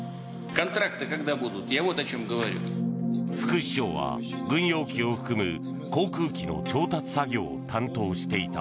副首相は軍用機を含む航空機の調達作業を担当していた。